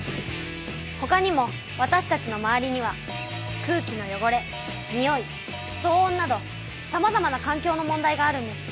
ほかにもわたしたちの周りには空気の汚れ臭い騒音などさまざまな環境の問題があるんです。